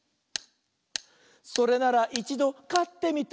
「それならいちどかってみたい」